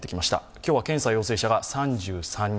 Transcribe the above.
今日は検査陽性者が３３人。